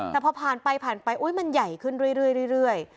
แต่พอผ่านไปผ่านไปมันใหญ่ขึ้นเรื่อย